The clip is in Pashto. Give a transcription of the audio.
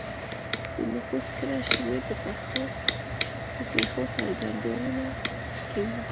د نفوس کره شمېر د پېښو څرګندونه کوي.